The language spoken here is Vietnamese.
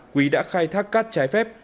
quý đã khai thác cắt trái phép